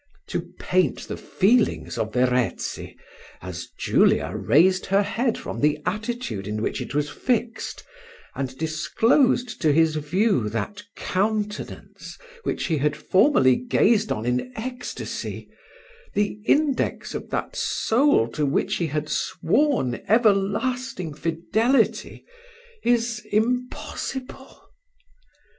To paint the feelings of Verezzi as Julia raised her head from the attitude in which it was fixed, and disclosed to his view that countenance which he had formerly gazed on in ecstasy, the index of that soul to which he had sworn everlasting fidelity is impossible.